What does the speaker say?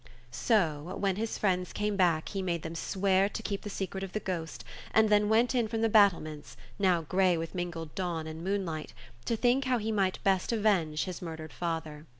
So when his friends came back he made them swear to keep the secret of the ghost, and then went in from the battlements, now grey with mingled dawn and moonlight, to think how he might best avenge his murdered father.